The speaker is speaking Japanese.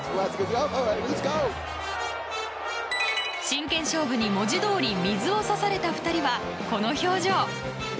真剣勝負に文字どおり水を差された２人はこの表情。